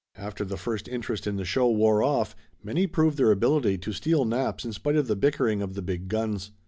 After the first interest in the show wore off many proved their ability to steal naps in spite of the bickering of the big guns.